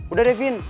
udah deh vin